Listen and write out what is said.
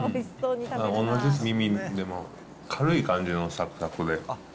同じ耳でも、軽い感じのさくさくで。